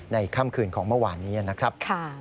ค่ำคืนของเมื่อวานนี้นะครับ